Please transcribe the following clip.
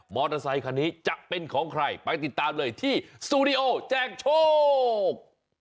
อเตอร์ไซคันนี้จะเป็นของใครไปติดตามเลยที่สตูดิโอแจกโชค